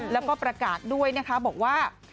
แล้วก็ประกาศด้วยนะคะบอกว่า